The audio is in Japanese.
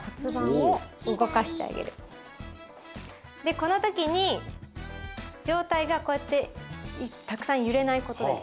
でこのときにじょうたいがこうやってたくさんゆれないことです。